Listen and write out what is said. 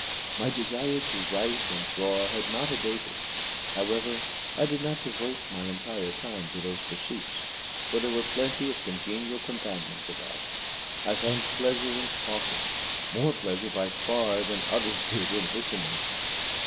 My desire to write and draw had not abated. However, I did not devote my entire time to those pursuits, for there were plenty of congenial companions about. I found pleasure in talking more pleasure by far than others did in listening.